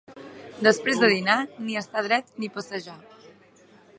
Després de dinar, ni estar dret ni passejar.